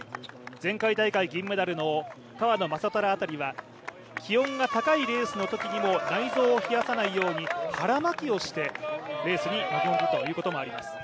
前回大会銀メダルの川野将虎辺りは、気温が高いレースのときにも内臓を冷やさないように、腹巻きをしてレースに臨んでいるということもあります。